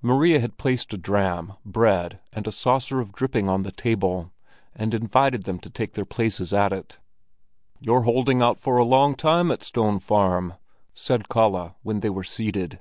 Maria had placed a dram, bread and a saucer of dripping on the table, and invited them to take their places at it. "You're holding out a long time at Stone Farm," said Kalle, when they were seated.